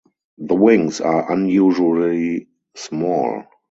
The wings are unusually small.